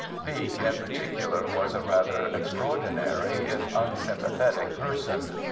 Wieck, in particular, was a rather extraordinary if unsympathetic person.